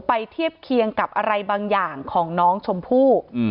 เทียบเคียงกับอะไรบางอย่างของน้องชมพู่